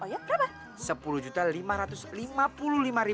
oh iya berapa